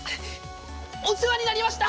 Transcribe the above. お世話になりました！